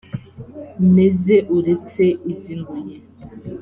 meze uretse izi ngoyi